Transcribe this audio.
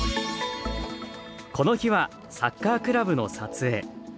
この日はサッカークラブの撮影。